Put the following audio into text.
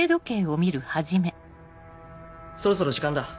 そろそろ時間だ